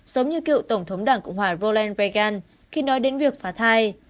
giống như cựu tổng thống đảng cộng hòa roland reagan khi nói đến việc phá thai